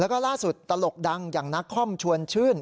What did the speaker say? แล้วก็ล่าสุดตลกดังอย่างนักคอมชวนชื่น